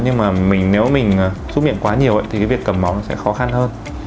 nhưng mà nếu mình xúc miệng quá nhiều ấy thì cái việc cầm máu nó sẽ khó khăn hơn